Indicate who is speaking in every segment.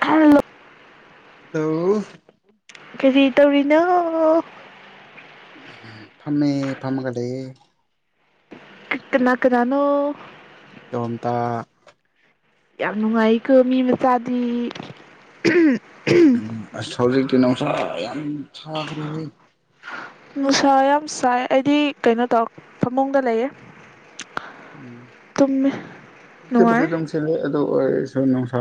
Speaker 1: hello
Speaker 2: hello
Speaker 1: ꯀꯔꯤ ꯇꯧꯔꯤꯅꯣ
Speaker 2: ꯐꯝꯃꯦ ꯐꯝꯒ ꯂꯩꯌꯦ
Speaker 1: ꯀꯅꯥ ꯀꯅꯅꯣ
Speaker 2: ꯇꯣꯝꯇ
Speaker 1: ꯌꯥꯝ ꯅꯨꯡꯉꯥꯏꯀꯣ ꯃꯤ ꯃꯆꯥꯗꯤ
Speaker 2: ꯎꯝ ꯑꯁ ꯍꯧꯖꯤꯛꯇꯤ ꯅꯨꯡꯁꯥ ꯌꯥꯝ ꯁꯥꯒꯔꯦꯍꯦ
Speaker 1: ꯅꯨꯡꯁꯥ ꯌꯥꯝ ꯁꯥꯏ ꯑꯩꯗꯤ ꯀꯩꯅꯣ ꯇꯧ ꯐꯃꯨꯡꯗ ꯂꯩꯌꯦ ꯇꯨꯝꯃꯦ
Speaker 2: ꯎꯝ ꯕꯨꯗꯤ
Speaker 1: ꯅꯨꯡꯉꯥꯏ
Speaker 2: ꯑꯗꯨꯝ ꯁꯤꯂꯦ ꯑꯗꯨ ꯑꯣꯏ ꯅꯨꯡꯁꯥ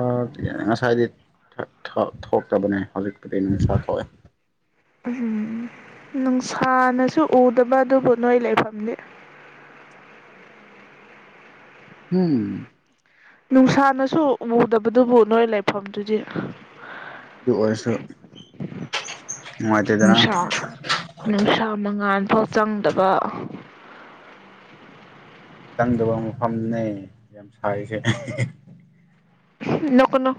Speaker 2: ꯉꯁꯥꯏꯗꯤ ꯈꯔ ꯊꯣꯛ ꯊꯣꯛꯇꯕꯅꯦ ꯍꯧꯖꯤꯛꯄꯨꯗꯤ ꯅꯨꯡꯁꯥ ꯊꯣꯛꯑꯦ
Speaker 1: ꯎꯝ ꯅꯨꯡꯁꯥꯅꯁꯨ ꯎꯗꯕ ꯑꯗꯨꯕꯨ ꯅꯣꯏ ꯂꯩꯐꯝꯗꯤ [inaudible]
Speaker 2: ꯍꯨꯝ
Speaker 1: ꯅꯨꯡꯁꯥꯅꯁꯨ ꯎꯗꯕꯗꯨꯕꯨ ꯅꯣꯏ ꯂꯩꯐꯝꯗꯨꯗꯤ
Speaker 2: ꯑꯗꯨ ꯑꯣꯏꯔꯁꯨ ꯅꯨꯡꯉꯥꯏꯇꯦꯗꯅ
Speaker 1: ꯅꯨꯡꯁꯥ ꯅꯨꯡꯁꯥ ꯃꯉꯥꯜ ꯐꯥꯎ ꯆꯪꯗꯕ
Speaker 2: ꯆꯪꯗꯕ ꯃꯐꯝꯅꯦ ꯌꯥꯝ ꯁꯥꯏꯁꯦ ꯑꯍꯦ ꯍꯦ
Speaker 1: ꯍꯨꯝ ꯅꯣꯛꯀꯅꯣ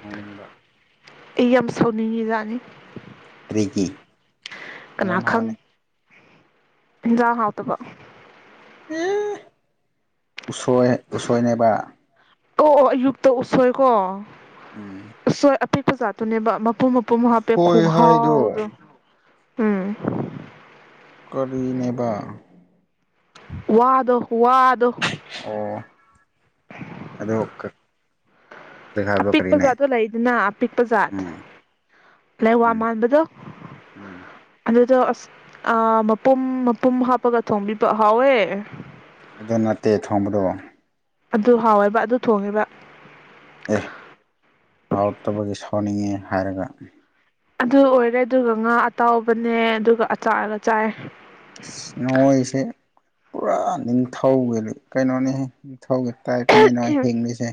Speaker 2: ꯅꯣꯛꯅꯤꯡꯕ
Speaker 1: ꯑꯩ ꯌꯥꯝ ꯁꯥꯎꯅꯤꯡꯉꯤꯖꯥꯠꯅꯤ
Speaker 2: ꯀ꯭ꯔꯤꯒꯤ ꯃꯔꯝ ꯍꯥꯏꯌꯣꯅꯦ
Speaker 1: ꯍꯦꯟꯖꯥꯡ ꯍꯥꯎꯇꯕ
Speaker 2: ꯎꯝ ꯎꯁꯣꯏ ꯎꯁꯣꯏꯅꯦꯕ
Speaker 1: ꯑꯣ ꯑꯣ ꯑꯌꯨꯛꯇ ꯎꯁꯣꯏꯀꯣ
Speaker 2: ꯎꯝ
Speaker 1: ꯑꯄꯤꯛꯄꯖꯥꯠꯇꯨꯅꯦꯕ ꯃꯄꯨꯝ ꯃꯄꯨꯝ ꯍꯥꯞꯄꯦ
Speaker 2: ꯎꯁꯣꯏ ꯍꯥꯏꯗꯣ
Speaker 1: ꯈꯨꯍꯥꯎꯗꯣ ꯎꯝ
Speaker 2: ꯀꯔꯤꯅꯦꯕꯥ
Speaker 1: ꯋꯥꯗꯣ ꯋꯥꯗꯣ
Speaker 2: ꯑꯣ ꯑꯗꯣ ꯖꯒꯥꯗꯣ
Speaker 1: ꯑꯄꯤꯛꯄ
Speaker 2: ꯀꯔꯤꯅꯦ
Speaker 1: ꯖꯥꯠꯇꯣ ꯂꯩꯗꯅꯥ ꯑꯄꯤꯛꯄ ꯖꯥꯠ
Speaker 2: ꯎꯝ
Speaker 1: ꯂꯩꯋꯥ
Speaker 2: ꯎꯝ
Speaker 1: ꯃꯥꯟꯕꯗꯣ
Speaker 2: ꯎꯝ
Speaker 1: ꯑꯗꯨꯗꯣ ꯑ ꯑꯥ ꯃꯄꯨꯝ ꯃꯄꯨꯝ ꯍꯥꯞꯄꯒ ꯊꯣꯡꯕꯤꯕ ꯍꯥꯎꯋꯦ
Speaker 2: ꯑꯗꯨ ꯅꯠꯇꯦ ꯊꯣꯡꯕꯗꯣ
Speaker 1: ꯑꯗꯨ ꯍꯥꯎꯋꯦꯕꯥ ꯑꯗꯨ ꯊꯣꯡꯉꯦꯕꯥ
Speaker 2: ꯑꯦ ꯍꯥꯎꯇꯕꯒꯤ ꯁꯥꯎꯅꯤꯡꯉꯦ ꯍꯥꯏꯔꯒ
Speaker 1: ꯑꯗꯨ ꯑꯣꯏꯔꯦ ꯑꯗꯨꯒ ꯉꯥ ꯑꯇꯥꯎꯕꯅꯦ ꯑꯗꯨꯒ ꯑꯆꯥꯥꯔꯒ ꯆꯥꯏꯌꯦ
Speaker 2: ꯑꯁ ꯅꯣꯏꯁꯦ ꯄꯨꯔꯥ ꯅꯤꯡꯊꯧꯒꯤ ꯀꯩꯅꯣꯅꯤꯍꯦ ꯅꯤꯡꯊꯧꯒꯤ ꯇꯥꯏꯞꯇꯅꯦ ꯅꯣꯏ ꯍꯤꯡꯂꯤꯁꯦ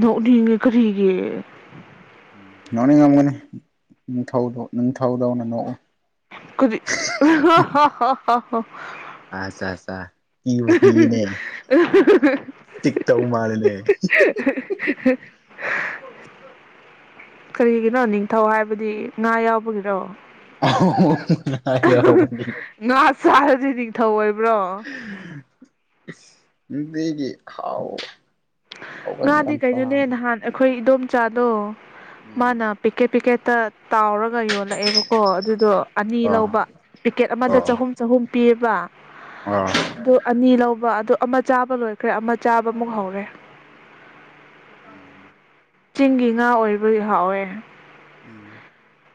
Speaker 1: ꯅꯣꯛꯅꯤꯡꯉꯦ ꯀꯔꯤꯒꯤ
Speaker 2: ꯅꯣꯛꯅꯤꯡꯉꯝꯒꯅꯤ ꯅꯤꯡꯊꯧꯗꯣ ꯅꯤꯡꯊꯧꯗꯧꯅ ꯅꯣꯛꯑꯣ
Speaker 1: ꯀꯔꯤ ꯍꯥ ꯍꯥ ꯍꯥ ꯍꯥ ꯍꯥ
Speaker 2: ꯑꯠꯆꯥ ꯑꯠꯆꯥ
Speaker 1: ꯑꯍꯤ ꯍꯤ ꯍꯤ ꯑꯍꯤ ꯍꯤ
Speaker 2: ꯄꯤꯛ ꯇꯧ ꯃꯥꯜꯂꯦꯅꯦ ꯍꯤ ꯍꯤ ꯍꯤ ꯍꯤ
Speaker 1: ꯀꯔꯤꯒꯤꯅꯣ ꯅꯤꯡꯊꯧ ꯍꯥꯏꯕꯗꯤ ꯉꯥ ꯌꯥꯎꯕꯒꯤꯔꯣ
Speaker 2: ꯑꯍ ꯍ ꯍꯨ ꯍꯨꯝ
Speaker 1: ꯑꯍ ꯍꯥ ꯉꯥ ꯆꯥꯔꯗꯤ ꯅꯤꯡꯊꯧ ꯑꯣꯏꯕ꯭ꯔꯣ
Speaker 2: ꯏꯁ ꯅꯨꯄꯤꯒꯤ ꯍꯥꯎꯕ
Speaker 1: ꯉꯥꯗꯤ ꯀꯩꯅꯣꯅꯦ ꯅꯍꯥꯟ ꯑꯩꯈꯣꯏ ꯏꯗꯣꯝꯆꯥꯗꯣ
Speaker 2: ꯎꯝ
Speaker 1: ꯃꯥꯅ ꯄꯤꯛꯀꯦꯠ ꯄꯤꯛꯀꯦꯠꯇ ꯇꯥꯎꯔꯒ ꯌꯣꯜꯂꯛꯑꯦꯕꯀꯣ ꯑꯗꯨꯗꯣ ꯑꯅꯤ
Speaker 2: ꯑꯣ
Speaker 1: ꯂꯧꯕ ꯄꯤꯛꯀꯦꯠ ꯑꯃꯗ
Speaker 2: ꯑꯣ
Speaker 1: ꯆꯍꯨꯝ ꯆꯍꯨꯝ ꯄꯤꯌꯦꯕ
Speaker 2: ꯑꯣ
Speaker 1: ꯑꯗꯣ ꯑꯅꯤ ꯂꯧ ꯕꯥ ꯑꯗꯣ ꯑꯃ ꯆꯥꯕ ꯂꯣꯏꯈ꯭ꯔꯦ ꯑꯃ ꯆꯥꯕꯃꯨꯛ ꯍꯧꯔꯦ
Speaker 2: ꯎꯝ
Speaker 1: ꯆꯤꯡꯒꯤ ꯉꯥ ꯑꯣꯏꯕꯩ ꯍꯥꯎꯋꯦ
Speaker 2: [unintelligible]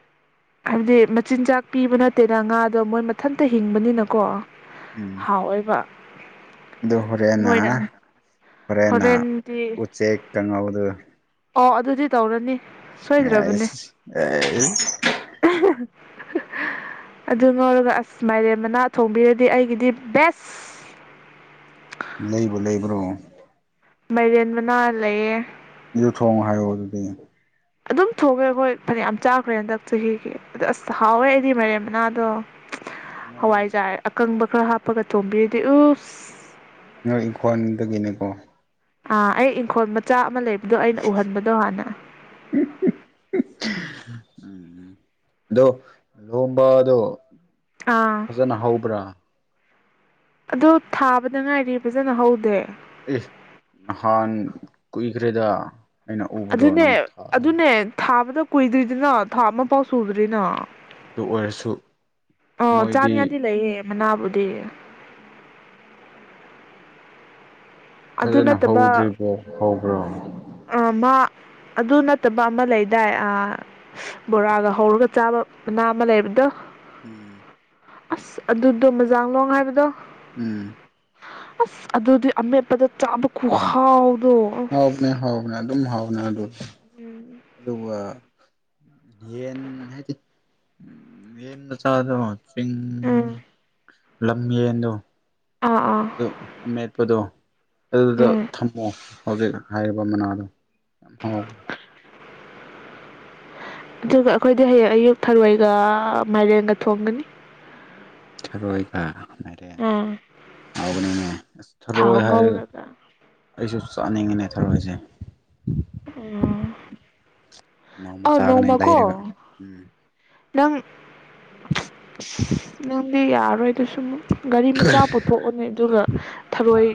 Speaker 1: ꯍꯥꯏꯕꯗꯤ ꯃꯆꯤꯟꯖꯥꯛ ꯄꯤꯕ ꯅꯠꯇꯦꯗꯥ ꯉꯥꯗꯣ ꯃꯣꯏ ꯃꯠ ꯊꯟꯇ ꯍꯤꯡꯕꯅꯤꯅꯀꯣ
Speaker 2: ꯎꯝ
Speaker 1: ꯍꯥꯎꯔꯣꯏꯕꯥ
Speaker 2: ꯑꯗꯨ ꯍꯣꯔꯦꯟꯅ ꯍꯣꯔꯦꯟꯅ
Speaker 1: ꯍꯣꯔꯦꯟꯗꯤ
Speaker 2: ꯎꯆꯦꯛ ꯀꯪꯍꯧꯗꯨ
Speaker 1: ꯑꯣ ꯑꯗꯨꯗꯤ ꯇꯧꯔꯅꯤ ꯁꯣꯏꯗ꯭ꯔꯕꯅꯦ
Speaker 2: ꯑꯦꯁ ꯑꯦꯁ
Speaker 1: [unintelligible] ꯑꯗꯨ ꯉꯧꯔꯒ ꯑꯁ ꯃꯥꯏꯔꯦ ꯃꯅꯥ ꯊꯣꯡꯕꯤꯔꯗꯤ ꯑꯩꯒꯤꯗꯤ ꯕꯦꯁ [inaudible]
Speaker 2: ꯂꯩꯕꯨ ꯂꯩꯕ꯭ꯔꯣ
Speaker 1: ꯃꯥꯏꯔꯦꯟ ꯃꯅꯥ ꯂꯩꯌꯦ
Speaker 2: ꯌꯨ ꯊꯣꯡꯉꯣ ꯍꯥꯏꯌꯣ ꯑꯗꯨꯗꯤ
Speaker 1: ꯑꯗꯨꯝ ꯊꯣꯛꯑꯦ ꯑꯩꯈꯣꯏ ꯐꯅꯌꯥꯝ ꯆꯥꯈ꯭ꯔꯦ ꯍꯟꯗꯛ ꯆꯍꯤꯒꯤ ꯑꯗ ꯑꯁ ꯍꯥꯎꯋꯦ ꯑꯩꯗꯤ ꯃꯔꯦꯝꯥꯟꯎ ꯃꯅꯥꯗꯣ
Speaker 2: ꯅꯣꯏ
Speaker 1: ꯍꯋꯥꯏꯖꯥꯔ ꯑꯀꯪꯕ ꯈꯔ ꯍꯥꯞꯄꯒ ꯊꯣꯢꯡꯕꯤꯔꯗꯤ ꯎꯁ
Speaker 2: ꯅꯣꯏ ꯏꯪꯈꯣꯜꯗꯒꯤꯅꯦꯀꯣ
Speaker 1: ꯑꯥ ꯑꯩ ꯏꯪꯈꯣꯜ ꯃꯆꯥ ꯑꯃ ꯂꯩ ꯑꯗꯣ ꯑꯩꯅ ꯎꯍꯟꯕꯗꯣ ꯍꯥꯟꯅ
Speaker 2: ꯎꯝ ꯑꯗꯣ ꯂꯣꯍꯣꯡꯕꯗꯣ
Speaker 1: ꯑꯥ
Speaker 2: ꯐꯖꯅ ꯍꯧꯕ꯭ꯔꯥ
Speaker 1: ꯑꯗꯨ ꯊꯥꯕꯗ ꯉꯥꯏꯔꯤ ꯐꯖꯅ ꯍꯧꯗꯦ
Speaker 2: ꯑꯁꯥꯦ ꯅꯍꯥꯟ ꯀꯨꯏꯈ꯭ꯔꯦꯗ ꯑꯩꯅ ꯎꯕꯗꯣ
Speaker 1: ꯑꯗꯨꯅꯦ
Speaker 2: ꯅꯪ ꯊꯥ
Speaker 1: ꯑꯗꯨꯅꯦ ꯊꯥ ꯃꯗ ꯀꯨꯏꯗ꯭ꯔꯤꯗꯅꯣ ꯊꯥ ꯑꯃ ꯐꯥꯎ ꯁꯨꯗ꯭ꯔꯤꯅ
Speaker 2: ꯑꯗꯨ ꯑꯣꯏꯔꯁꯨ
Speaker 1: ꯑꯥ
Speaker 2: ꯃꯣꯏꯗꯤ
Speaker 1: ꯆꯥꯅꯤꯡꯉꯗꯤ ꯂꯩꯌꯦ ꯃꯅꯥꯕꯨꯗꯤ ꯑꯗꯨ
Speaker 2: ꯐꯖꯅ
Speaker 1: ꯅꯠꯇꯕ
Speaker 2: ꯍꯧꯗ꯭ꯔꯤꯕꯣ ꯍꯧꯕ꯭ꯔꯣ
Speaker 1: ꯑꯥ ꯃꯥ ꯑꯗꯨ ꯅꯠꯇꯕ ꯑꯃ ꯂꯩꯗꯥꯏ ꯑꯥ ꯕꯣꯔꯥꯒ ꯍꯧꯔꯒ ꯆꯥꯕ ꯃꯅꯥ ꯑꯃ ꯂꯩꯕꯗꯣ
Speaker 2: ꯎꯝ
Speaker 1: ꯑꯁ ꯑꯗꯨꯗꯣ ꯃꯖꯥꯡꯂꯣꯡ ꯍꯥꯏꯕꯗꯣ
Speaker 2: ꯎꯝ
Speaker 1: ꯑꯁ ꯑꯗꯨꯗꯤ ꯑꯃꯦꯠꯄꯗ ꯆꯥꯕ ꯈꯨꯨꯍꯥꯎ
Speaker 2: ꯍꯥꯎꯕꯅꯦ ꯍꯥꯎꯕꯅꯦ ꯑꯗꯨꯝ ꯍꯥꯎꯕꯅꯦ ꯑꯗꯨ ꯑꯗꯨꯒ ꯌꯦꯟ ꯍꯥꯏꯗꯤ ꯌꯦꯟ ꯃꯆꯥꯗꯣ
Speaker 1: ꯎꯝ
Speaker 2: [unintelligible] ꯂꯝꯌꯦꯟꯗꯣ
Speaker 1: ꯑꯥ ꯑꯥ
Speaker 2: ꯑꯗꯨ ꯑꯃꯦꯠꯄꯗꯣ ꯑꯗꯨꯗꯣ
Speaker 1: ꯎꯝ
Speaker 2: ꯊꯝꯃꯣ ꯍꯧꯖꯤꯛ ꯍꯥꯏꯔꯤꯕ ꯃꯅꯥꯗꯣ ꯌꯥꯝ ꯍꯥꯎꯕ
Speaker 1: ꯑꯗꯨꯒ ꯑꯩꯈꯣꯏꯗꯤ ꯍꯌꯦꯡ ꯑꯌꯨꯛ ꯊꯔꯣꯏꯒ ꯃꯥꯏꯔꯦꯟꯒ ꯊꯣꯡꯒꯅꯤ
Speaker 2: ꯊꯔꯣꯏꯒ ꯃꯥꯢꯔꯦꯟ ꯍꯧꯕꯅꯤꯅꯦ ꯑꯁ
Speaker 1: ꯊꯥꯎ
Speaker 2: ꯊꯔꯣꯢ ꯍꯥꯏꯔꯒ
Speaker 1: ꯉꯧꯔꯒ
Speaker 2: ꯑꯩꯁꯨ ꯆꯥꯅꯤꯡꯉꯤꯅꯦ ꯊꯔꯣꯏꯁꯦ
Speaker 1: ꯎꯝ ꯑꯥ
Speaker 2: ꯆꯥꯒꯅꯤ
Speaker 1: ꯅꯣꯡꯃ ꯀꯣ
Speaker 2: ꯂꯩꯔꯒ ꯎꯝ
Speaker 1: ꯅꯪ ꯏꯁ ꯅꯪꯗꯤ ꯌꯥꯔꯣꯏ ꯗꯨꯁꯨ ꯑꯃꯨꯛ ꯒꯥꯔꯤ ꯃꯆꯥ ꯄꯨꯊꯣꯛꯑꯣꯅꯦ ꯑꯗꯨꯒ ꯊꯔꯣꯏ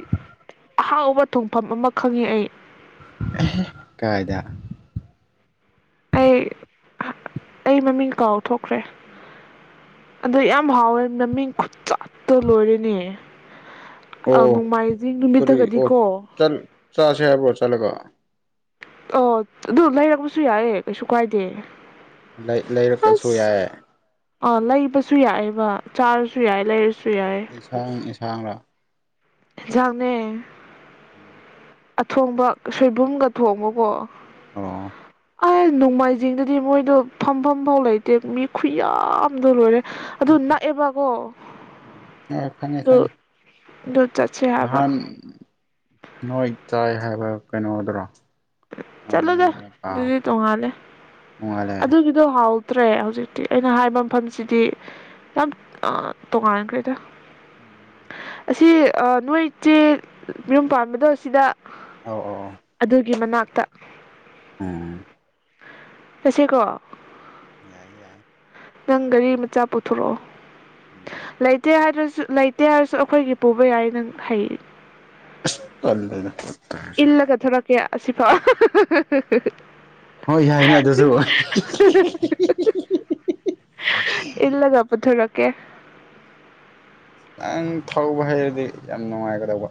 Speaker 1: ꯑꯍꯥꯎꯕ ꯊꯣꯡꯐꯝ ꯑꯃ ꯈꯪꯉꯤ ꯑꯩ
Speaker 2: ꯑꯦꯍꯦ ꯀꯥꯢꯗ
Speaker 1: ꯑꯩ ꯑꯍꯥ ꯑꯩ ꯃꯃꯤꯡ ꯀꯥꯎꯊꯣꯛꯈ꯭ꯔꯦ ꯑꯗꯣ ꯌꯥꯝ ꯍꯥꯎꯋꯦ ꯃꯃꯤꯡ ꯈꯨꯠꯆꯥꯠꯇꯣ ꯂꯣꯏꯔꯦꯅꯦ
Speaker 2: ꯑꯣ
Speaker 1: ꯑ ꯅꯣꯡꯃꯥꯏꯖꯤꯡ
Speaker 2: ꯀꯔꯤ ꯑꯣ
Speaker 1: ꯅꯨꯃꯤꯠꯇꯒꯗꯤꯀꯣ
Speaker 2: ꯆꯜ ꯆꯥꯁꯦ ꯍꯥꯏꯕ꯭ꯔꯣ ꯆꯠꯂꯒ
Speaker 1: ꯑꯣ ꯑꯗꯨ ꯂꯩꯔꯛꯄꯁꯨ ꯌꯥꯏꯌꯦ ꯀꯩꯁꯨ ꯀꯥꯏꯗꯦ
Speaker 2: ꯂꯩ ꯂꯩꯔꯛꯑꯁꯨ
Speaker 1: ꯑꯁ
Speaker 2: ꯌꯥꯏ
Speaker 1: ꯑ ꯂꯩꯕꯁꯨ ꯌꯥꯏꯑꯦꯕ ꯆꯥꯔꯁꯨ ꯌꯥꯏ ꯂꯩꯔꯁꯨ
Speaker 2: ꯏꯟꯁꯥꯡ ꯏꯟꯁꯥꯡꯔ
Speaker 1: ꯍꯦꯟꯖꯥꯡꯅꯦ
Speaker 2: ꯎꯝ
Speaker 1: ꯑꯊꯣꯡꯕ ꯁꯣꯏꯕꯨꯝꯒ ꯊꯣꯡꯕꯀꯣ
Speaker 2: ꯍꯜꯂꯣ
Speaker 1: ꯑꯩ ꯅꯣꯡꯃꯥꯏꯖꯤꯡꯗꯗꯤ ꯃꯣꯏꯗꯣ ꯐꯝꯐꯝꯐꯥꯎ ꯂꯩꯇꯦ ꯃꯤ ꯈꯨꯌꯥꯝꯗꯣ ꯂꯣꯏꯔꯦ ꯑꯗꯨ ꯅꯛꯑꯦꯕꯀꯣ
Speaker 2: ꯎꯝ ꯑ ꯈꯪꯉꯦ
Speaker 1: ꯑꯗꯨ
Speaker 2: ꯈꯪꯉꯦ
Speaker 1: ꯑꯗꯨ ꯆꯠꯁꯦ ꯍꯥꯏꯕ
Speaker 2: ꯅꯍꯥꯟ ꯅꯣꯏ ꯆꯥꯏ ꯍꯥꯏꯕ ꯀꯩꯅꯣꯗ꯭ꯔꯣ
Speaker 1: ꯆꯠꯂꯨꯗ ꯑꯗꯨꯗꯤ ꯇꯣꯡꯉꯥꯜꯂꯦ
Speaker 2: ꯅꯣꯡꯉꯥꯜꯂꯦ
Speaker 1: ꯑꯗꯨꯒꯤꯗꯣ ꯍꯥꯎ ꯇ꯭ꯔꯦ ꯍꯧꯖꯤꯛꯇꯤ ꯑꯩꯅ ꯍꯥꯏꯕ ꯃꯐꯝꯁꯤꯗꯤ ꯌꯥꯝ ꯑꯥ ꯇꯣꯉꯥꯟꯅꯈ꯭ꯔꯦꯗ
Speaker 2: ꯎꯝ
Speaker 1: ꯑꯁꯤꯖꯦ ꯑꯥ ꯅꯣꯏ ꯆꯦ ꯃꯌꯨꯝ ꯄꯥꯟꯕꯗꯣ ꯑꯁꯤꯗ
Speaker 2: ꯑꯧ
Speaker 1: ꯑꯗꯨꯒꯤ ꯃꯅꯥꯛꯇ
Speaker 2: ꯑꯣ
Speaker 1: ꯆꯠꯁꯤ ꯀꯣ
Speaker 2: ꯌꯥꯏ ꯌꯥꯏ
Speaker 1: ꯅꯪ ꯒꯥꯔꯤ ꯃꯆꯥ ꯄꯨꯊꯣꯔꯛꯑꯣ
Speaker 2: ꯎꯝ
Speaker 1: ꯂꯩꯇꯦ ꯍꯥꯏꯗ꯭ꯔꯁꯨ ꯂꯩꯇꯦ ꯍꯥꯏꯔꯁꯨ ꯑꯩꯈꯣꯏꯒꯤ ꯄꯨꯕ ꯌꯥꯏ ꯅꯪ ꯍꯩ
Speaker 2: ꯑꯁ ꯇꯜꯂꯦꯗ
Speaker 1: ꯏꯜꯂꯒ ꯊꯣꯔꯛꯀꯦ ꯑꯁꯤꯐꯥꯎ
Speaker 2: ꯍꯣꯏ ꯌꯥꯏꯅꯦ ꯑꯗꯨꯁꯨ
Speaker 1: [inaudible] ꯏꯜꯂꯒ ꯄꯨꯊꯣꯔꯛꯀꯦ
Speaker 2: ꯅꯪ ꯊꯧꯕ ꯍꯩꯔꯗꯤ ꯌꯥꯝ ꯅꯨꯡꯉꯥꯏꯒꯗꯧꯕ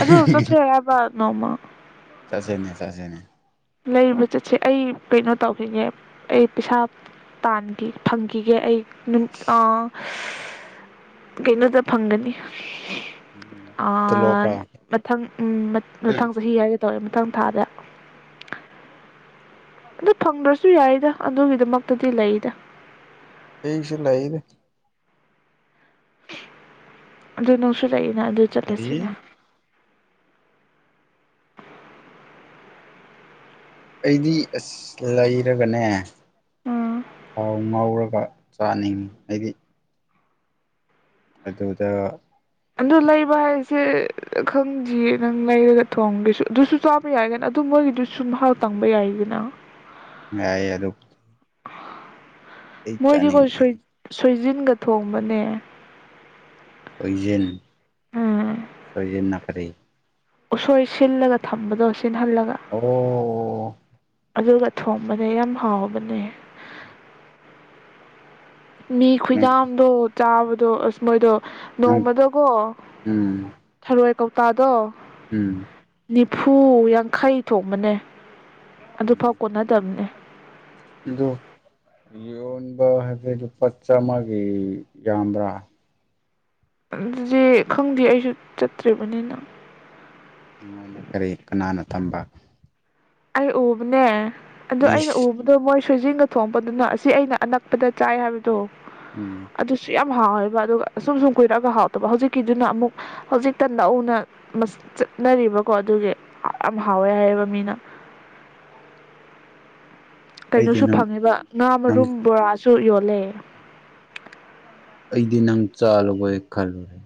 Speaker 1: ꯑꯗꯨ ꯆꯠꯁꯦ ꯍꯥꯏꯕ ꯅꯣꯡꯃ
Speaker 2: ꯆꯠꯁꯦꯅꯦ ꯆꯠꯁꯦꯅꯦ
Speaker 1: ꯂꯩꯕ ꯆꯠꯁꯦ ꯑꯩ ꯀꯩꯅꯣ ꯇꯧꯗꯣꯏꯅꯦ ꯑꯩ ꯄꯩꯁꯥ ꯄꯥꯟꯐꯤ ꯐꯪꯈꯤꯒꯦ ꯑꯩ ꯅꯨꯡ ꯑꯥ ꯀꯩꯅꯣꯗ ꯐꯪꯒꯅꯤ
Speaker 2: ꯎꯝ
Speaker 1: ꯑꯥ
Speaker 2: ꯇꯣꯂꯣꯞꯔꯥ
Speaker 1: ꯃꯊꯪ ꯎꯝ ꯃꯊꯪ ꯆꯍꯤ ꯍꯥꯏꯒ ꯃꯊꯪ ꯊꯥꯗ ꯑꯗꯨ ꯐꯪꯗ꯭ꯔꯁꯨ ꯌꯥꯏꯗ ꯑꯗꯨꯒꯤꯗꯃꯛꯇꯗꯤ ꯂꯩꯗ
Speaker 2: ꯑꯩꯩꯁꯨ ꯂꯩꯗ
Speaker 1: ꯑꯗꯨ ꯅꯪꯁꯨ ꯂꯩꯏꯅ ꯑꯗꯨ
Speaker 2: ꯂꯩ
Speaker 1: ꯆꯠꯂꯁꯤꯅ
Speaker 2: ꯑꯩꯗꯤ ꯑꯁ ꯂꯩꯔꯒꯅꯦ
Speaker 1: ꯎꯝ
Speaker 2: ꯊꯥꯎ ꯉꯧꯔꯒ ꯆꯥꯅꯤꯡꯉꯤ ꯑꯩꯗꯤ ꯑꯗꯨꯗ
Speaker 1: ꯑꯗꯨ ꯂꯩꯕ ꯍꯥꯏꯁꯦ ꯈꯪꯗꯤꯌꯦ ꯅꯪ ꯂꯩꯔꯒ ꯊꯣꯡꯒꯦꯁꯨ ꯑꯗꯨꯁꯨ ꯆꯥꯕ ꯌꯥꯏꯗꯅ ꯑꯗꯨ ꯑꯗꯨ ꯃꯣꯏꯒꯤꯗꯨꯁꯨꯨ ꯃꯍꯥꯎ ꯇꯪꯕ ꯌꯥꯏꯗꯅ
Speaker 2: ꯌꯥꯏꯌꯦ ꯑꯗꯨꯝ ꯑꯩ
Speaker 1: ꯃꯣꯏꯗꯤꯀꯣ
Speaker 2: ꯆꯥꯅꯤꯡꯗꯦ
Speaker 1: ꯁꯣꯏ ꯁꯣꯏꯖꯤꯟꯒ ꯊꯣꯡꯕꯅꯦ
Speaker 2: ꯁꯣꯏꯖꯤꯟ
Speaker 1: ꯎꯝ
Speaker 2: ꯁꯣꯏꯖꯤꯟꯅ ꯀꯔꯤ
Speaker 1: ꯎꯁꯣꯏ ꯁꯤꯜꯂꯒ ꯊꯝꯕꯗꯣ ꯁꯤꯟꯍꯜꯂꯒ
Speaker 2: ꯑꯣ
Speaker 1: ꯑꯗꯨꯒ ꯊꯣꯡꯕꯗ ꯌꯥꯝ ꯍꯥꯎꯕꯅꯦ ꯃꯤ
Speaker 2: ꯅꯪ
Speaker 1: ꯈꯨꯌꯥꯝꯗꯣ ꯆꯥꯕꯗꯣ ꯑꯁ ꯃꯣꯏꯗꯣ
Speaker 2: ꯅꯪ
Speaker 1: ꯅꯣꯡꯃꯗꯀꯣ
Speaker 2: ꯎꯝ
Speaker 1: ꯊꯔꯣꯏ ꯀꯣꯛ ꯇꯥꯗꯣ
Speaker 2: ꯎꯝ
Speaker 1: ꯅꯤꯐꯨ ꯌꯥꯡꯈꯩ ꯊꯣꯡꯕꯅꯦ ꯑꯗꯨꯐꯥꯎ ꯀꯣꯟꯅꯗꯕꯅꯦ
Speaker 2: ꯑꯗꯣ ꯌꯣꯟꯕ ꯍꯥꯏꯕꯗꯤ ꯂꯨꯄꯥ ꯆꯥꯃꯒꯤ ꯌꯥꯝꯕ꯭ꯔꯥ
Speaker 1: ꯑꯗꯨꯗꯤ ꯈꯪꯗꯦ ꯑꯩꯁꯨ ꯆꯠꯇ꯭ꯔꯤꯕꯅꯤꯅ
Speaker 2: ꯅꯪꯉꯣꯟꯗ ꯀꯔꯤ ꯀꯅꯥꯅ ꯇꯝꯕ
Speaker 1: ꯑꯩ ꯎꯕꯅꯦ ꯑꯗꯨ ꯑꯩꯅ
Speaker 2: ꯏꯁ
Speaker 1: ꯎꯕꯗꯣ ꯃꯣꯏ ꯁꯣꯏꯖꯤꯡꯒ ꯊꯣꯡꯕꯗꯨꯅ ꯑꯁꯤ ꯑꯩꯅ ꯑꯅꯛꯄꯗ ꯆꯥꯏ ꯍꯥꯏꯕꯗꯣ
Speaker 2: ꯎꯝ
Speaker 1: ꯑꯗꯨꯁꯨ ꯌꯥꯝ ꯌꯥꯝ ꯍꯥꯎꯋꯦꯕ ꯑꯗꯨꯒ ꯑꯁꯨꯝ ꯁꯨꯝ ꯀꯨꯏꯔꯛꯑꯒ ꯍꯥꯎꯇꯕ ꯍꯧꯖꯤꯛꯀꯤꯗꯨꯅ ꯑꯃꯨꯛ ꯍꯧꯖꯤꯛꯇ ꯅꯧꯅ ꯆꯠꯅꯔꯤꯕꯀꯣ ꯑꯗꯨꯒꯤ ꯌꯥꯝ ꯍꯥꯎꯋꯦ ꯍꯥꯏꯌꯦꯕ ꯃꯤꯅ
Speaker 2: ꯑꯩꯗꯤ
Speaker 1: ꯀꯩꯅꯣꯁꯨ
Speaker 2: ꯅꯪ
Speaker 1: ꯐꯪꯉꯤꯕ ꯉꯥ
Speaker 2: ꯅꯪ
Speaker 1: ꯃꯔꯨꯝ ꯕꯣꯔꯥꯁꯨ ꯌꯣꯜꯂꯦ
Speaker 2: ꯑꯩꯗꯤ ꯅꯪ ꯆꯥꯔꯕꯣꯏ ꯈꯜꯂꯨꯔꯦ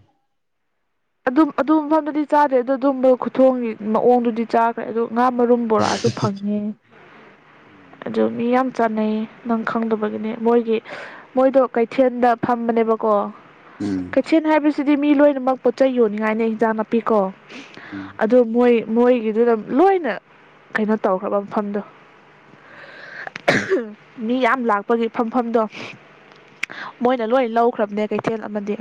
Speaker 1: ꯑꯗꯨꯝ ꯑꯗꯨ ꯑꯃꯗꯨꯗꯤ ꯆꯥꯗꯦ ꯑꯗꯨ ꯑꯗꯨꯝꯕ ꯈꯨꯊꯣꯡꯒꯤ ꯃꯑꯣꯡꯗꯨꯗꯤ ꯆꯥꯈ꯭ꯔꯦ ꯑꯗꯨ ꯉꯥ ꯃꯔꯨꯝ ꯕꯣꯔꯁꯨ ꯐꯪꯉꯦ
Speaker 2: ꯎꯝ
Speaker 1: ꯑꯗꯨ ꯃꯤ ꯌꯥꯝ ꯆꯥꯟꯅꯩꯌꯦ ꯅꯪ ꯈꯪꯗꯕꯒꯤꯅꯦ ꯃꯣꯏꯒꯤ ꯃꯣꯏꯗꯣ ꯀꯩꯊꯦꯜꯗ ꯐꯝꯕꯅꯦꯕꯀꯣ
Speaker 2: ꯎꯝ
Speaker 1: ꯀꯩꯊꯦꯜ ꯍꯥꯏꯕꯁꯤꯗꯤ ꯃꯤ ꯂꯣꯏꯅꯃꯛ ꯄꯣꯠꯆꯩ ꯌꯣꯟꯅꯤꯡꯉꯥꯏꯅꯦ ꯏꯟꯖꯥꯡ ꯅꯥꯄꯤ ꯀꯣ
Speaker 2: ꯎꯝ
Speaker 1: ꯑꯗꯨ ꯃꯣꯏ ꯃꯣꯏꯒꯤꯗꯨꯅ ꯂꯣꯏꯅ ꯀꯩꯅꯣ ꯇꯧꯈ꯭ꯔꯕ ꯃꯐꯝꯗꯣ ꯃꯤ ꯌꯥꯝ ꯂꯥꯛꯄꯒꯤ ꯐꯝꯐꯝꯗꯣ ꯃꯣꯏꯅ ꯂꯣꯏ ꯂꯧꯈ꯭ꯔꯕꯅꯦ ꯀꯩꯊꯦꯜ ꯑꯃꯗꯤ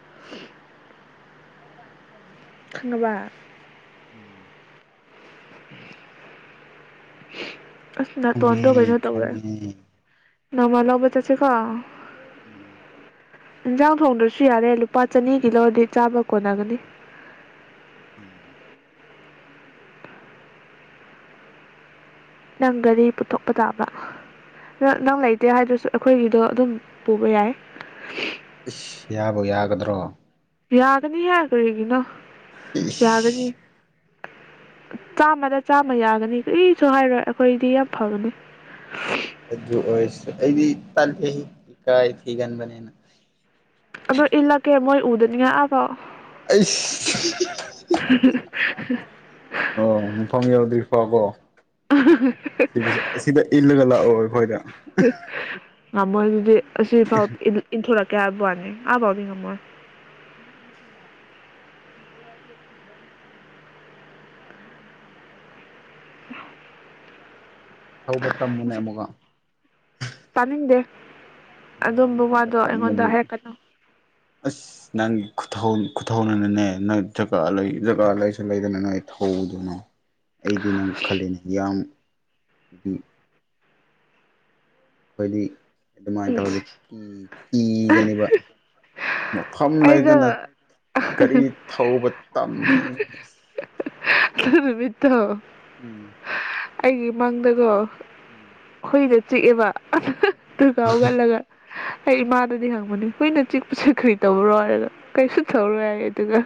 Speaker 1: [inaudible] ꯈꯪꯉꯥꯕ
Speaker 2: [inaudible]
Speaker 1: ꯑꯁ ꯅꯥꯇꯣꯟꯗꯣ
Speaker 2: ꯈꯪꯉꯦ
Speaker 1: ꯀꯩꯅꯣ ꯇꯧꯋꯦ
Speaker 2: ꯈꯪꯉꯦ
Speaker 1: ꯅꯃꯥ ꯂꯧꯕ ꯆꯠꯁꯦꯀꯣ
Speaker 2: ꯎꯝ
Speaker 1: ꯏꯟꯁꯥꯡ ꯊꯣꯡꯗ꯭ꯔꯁꯨ ꯌꯥꯔꯦ ꯂꯨꯄꯥ ꯆꯅꯤꯒꯤ ꯂꯧꯔꯗꯤ ꯆꯥꯕ ꯀꯣꯟꯅꯒꯅꯤ
Speaker 2: ꯎꯝ
Speaker 1: ꯅꯪ ꯒꯥꯔꯤ ꯄꯨꯊꯣꯛꯄ ꯇꯥꯕ ꯅꯪ ꯅꯪ ꯂꯩꯇꯦ ꯍꯥꯏꯗ꯭ꯔꯁꯨ ꯑꯩꯈꯣꯏꯒꯤꯗꯣ ꯑꯗꯨꯝ ꯄꯨꯕ ꯌꯥꯏ
Speaker 2: ꯢꯁ ꯌꯥꯕꯨ ꯌꯥꯒꯗ꯭ꯔꯣ
Speaker 1: ꯌꯥꯒꯅꯤꯍꯦ ꯀꯔꯤꯒꯤꯅꯣ
Speaker 2: ꯏꯁ
Speaker 1: ꯌꯥꯒꯅꯤ ꯆꯥꯝꯃꯗ ꯆꯥꯝꯃ ꯌꯥꯒꯅꯤ ꯀꯔꯤꯁꯨ ꯍꯥꯏꯔꯣꯏ ꯑꯩꯈꯣꯏꯗꯤ ꯌꯥꯝ ꯐꯕꯅꯦ
Speaker 2: ꯑꯗꯨ ꯑꯣꯏꯔꯁ ꯑꯩꯗꯤ ꯇꯜꯂꯦꯍꯦ ꯢꯀꯥꯏ ꯊꯤꯒꯟꯕꯅꯦꯅ
Speaker 1: ꯑꯗꯣ ꯏꯜꯂꯛꯀꯦ ꯃꯣꯏ ꯎꯗꯅꯤꯡꯉꯥꯢ ꯑ ꯐꯥꯎ
Speaker 2: ꯑꯩꯁ ꯑꯣ ꯃꯐꯝ ꯌꯧꯗ꯭ꯔꯤ ꯑꯣ ꯍꯣ ꯁꯤꯗꯁꯨ ꯑꯁꯤꯗ ꯏꯜꯂꯒ ꯂꯥꯛꯑꯣ ꯑꯩꯈꯣꯏꯗ
Speaker 1: ꯉꯝꯃꯣꯏ ꯑꯗꯨꯗꯤ ꯑꯁꯤꯐꯥꯎ ꯢꯟ ꯏꯟꯊꯣꯔꯛ ꯀꯦ ꯍꯥꯢꯕ ꯋꯥꯅꯦ ꯑꯕꯥꯎꯗꯤ ꯉꯝꯃꯣꯢ [unintelligible]
Speaker 2: ꯊꯧꯕ ꯇꯝꯃꯨꯅꯦ
Speaker 1: ꯑꯁ
Speaker 2: ꯑꯃꯨꯛꯀꯥ
Speaker 1: ꯇꯥꯅꯤꯡꯗꯦ ꯑꯗꯨꯝꯕ
Speaker 2: ꯒ꯭ꯔꯥꯎꯟꯗꯒꯨꯝꯕ
Speaker 1: ꯋꯥꯗꯣ
Speaker 2: ꯇꯝꯃꯗꯤ
Speaker 1: ꯑꯩꯉꯣꯟꯗ ꯍꯥꯏꯔꯛꯀꯅꯨ
Speaker 2: ꯑꯁ ꯅꯪꯒꯤ ꯈꯨꯊꯧ ꯈꯨꯊꯧꯅꯅꯅꯦ ꯅꯣꯏ ꯖꯒꯥ ꯂꯩ ꯖꯒꯥ ꯂꯩꯁꯨ ꯂꯩꯗꯅ ꯅꯣꯏ ꯊꯧꯗꯨꯅꯣ ꯑꯩꯗꯤ ꯅꯪ ꯈꯜꯂꯤꯅꯦ ꯌꯥꯝ ꯍꯥꯏꯗꯤ ꯑꯩꯈꯣꯏꯗꯤ ꯑꯗꯨꯃꯥꯏꯅ ꯇꯧꯔꯗꯤ ꯀꯤ ꯀꯤꯒꯅꯤꯕ ꯃꯐꯝ
Speaker 1: ꯑꯩꯗꯣ
Speaker 2: ꯂꯩꯇꯅ ꯒꯥꯔꯤ ꯊꯧꯕ ꯇꯝꯃꯤ ꯑꯁ
Speaker 1: ꯑꯗꯨ ꯅꯨꯃꯤꯠꯇꯣ
Speaker 2: ꯎꯝ
Speaker 1: ꯑꯩꯒꯤ ꯃꯪꯗꯒꯣ
Speaker 2: ꯎꯝ
Speaker 1: ꯍꯨꯏꯅ ꯆꯤꯛꯑꯦꯕ ꯑꯗꯨꯒ ꯑꯗꯨꯒ ꯍꯧꯒꯠꯂꯒ ꯑꯩ ꯏꯃꯥꯗꯗꯤ ꯍꯪꯕꯅꯤ ꯍꯨꯏꯅ ꯆꯤꯛꯄꯁꯤ ꯀꯔꯤ ꯇꯧꯔꯣ ꯍꯥꯢꯔꯒ ꯀꯩꯁꯨ ꯊꯧꯔꯣꯢ ꯍꯥꯏꯌꯦ ꯑꯗꯨꯒ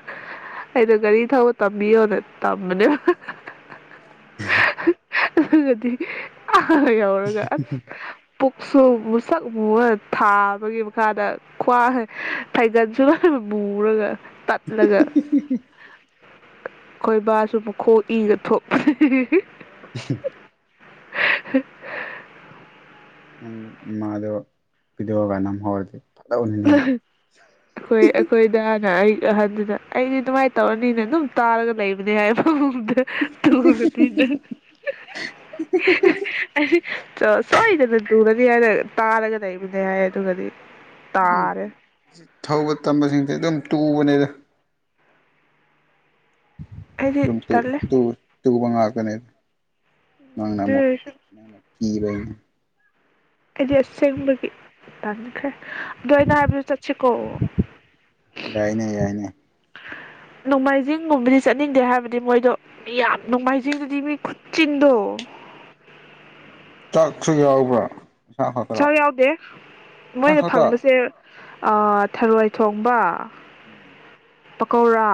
Speaker 1: ꯑꯩꯩꯗꯣ ꯒꯥꯔꯤ ꯊꯧꯕ ꯇꯝꯕꯤꯌꯣꯅ ꯇꯝꯕꯅꯦꯕꯀꯣ ꯍꯥ ꯑꯗꯨꯒꯗꯤ ꯑꯥ ꯌꯧꯔꯒ ꯑꯁ ꯄꯨꯛ ꯁꯨ ꯃꯨꯁꯛ ꯃꯨꯔꯒ ꯊꯥꯕꯒꯤ ꯃꯈꯥꯗ ꯈ꯭ꯋꯥꯡ ꯐꯩꯒꯟꯁꯨ ꯃꯨꯔꯒ ꯇꯠꯂꯒ ꯑꯩꯈꯣꯏꯕꯥꯁꯨ ꯃꯈꯣꯡ ꯏꯒ ꯊꯣꯛꯄꯅꯦ
Speaker 2: [unintelligible]
Speaker 1: [unintelligible]
Speaker 2: ꯅꯪ ꯃꯥꯗꯣ ꯕꯤꯗꯤꯌꯣꯒ ꯅꯝ ꯍꯧꯔꯗꯤ
Speaker 1: ꯑꯩꯈꯣꯏ ꯑꯩꯈꯣꯏꯗꯅ ꯑꯩ ꯑꯍꯟꯗꯨꯅ ꯑꯩꯗꯤ ꯑꯗꯨꯃꯥꯏꯅ ꯇꯧꯔꯅꯤꯅ ꯑꯗꯨꯝ ꯇꯥꯔꯒ ꯂꯩꯕꯅꯦ ꯍꯥꯏꯕ [unintelligible] ꯁꯣꯏꯗꯅ ꯇꯨꯔꯅꯤ ꯍꯥꯏꯅ ꯇꯥꯔꯒ ꯂꯩꯕꯅꯦ ꯍꯥꯏ ꯑꯗꯨꯒꯗꯤ
Speaker 2: ꯎꯝ
Speaker 1: ꯇꯥꯔꯦ
Speaker 2: ꯊꯧꯕ ꯇꯝꯕꯁꯤꯡꯁꯦ ꯑꯗꯨꯝ ꯇꯨꯕꯅꯦꯗ
Speaker 1: ꯑꯩꯗꯤ
Speaker 2: ꯗꯨꯝ ꯇꯨ
Speaker 1: ꯇꯜꯂꯦ
Speaker 2: ꯇꯨ ꯇꯨꯕ ꯉꯥꯛꯇꯅꯦ ꯅꯪꯅ
Speaker 1: ꯑꯗꯨ
Speaker 2: ꯑꯃꯨꯛ
Speaker 1: ꯑꯣꯏꯔꯁꯨ
Speaker 2: ꯅꯪꯅ ꯀꯤꯕꯒꯤꯅꯦ
Speaker 1: ꯑꯩꯗꯤ ꯑꯁꯦꯡꯕꯒꯤ ꯇꯟꯈ꯭ꯔꯦ ꯑꯗꯣ ꯑꯩꯅ ꯍꯥꯏꯕꯗꯣ ꯆꯠꯁꯤ ꯀꯣ
Speaker 2: ꯌꯥꯏꯅꯦ ꯌꯥꯏꯅꯦ
Speaker 1: ꯅꯣꯡꯃꯥꯏꯖꯤꯡꯒꯨꯝꯕꯗꯤ ꯆꯠꯅꯤꯡꯗꯦ ꯍꯥꯏꯕꯗꯤ ꯃꯣꯏꯗꯣ ꯃꯤ ꯌꯥꯝ ꯅꯣꯡꯃꯥꯏꯖꯤꯡꯗꯨꯗꯤ ꯃꯤ ꯈꯨꯠꯆꯤꯟꯗꯣ [unintelligible]
Speaker 2: ꯁꯨ ꯌꯥꯎꯕ꯭ꯔꯥ ꯏꯟꯁꯥꯡ
Speaker 1: ꯁꯥ
Speaker 2: ꯈꯛꯇꯔꯣ
Speaker 1: ꯌꯥꯎꯗꯦ
Speaker 2: ꯏꯟꯁꯥꯡ
Speaker 1: ꯃꯣꯏꯅ
Speaker 2: ꯈꯛꯇ
Speaker 1: ꯐꯪꯕꯁꯦ ꯊꯔꯣꯏ ꯊꯣꯡꯕ
Speaker 2: ꯎꯝ
Speaker 1: ꯄꯀꯧꯔꯥ